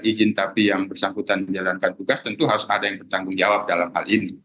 izin tapi yang bersangkutan menjalankan tugas tentu harus ada yang bertanggung jawab dalam hal ini